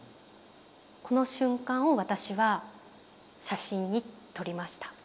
この瞬間を私は写真に撮りました。